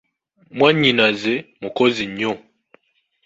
Mwannyinaze mukozi nnyo.